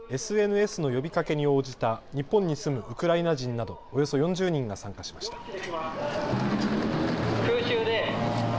ＳＮＳの呼びかけに応じた日本に住むウクライナ人など、およそ４０人が参加しました。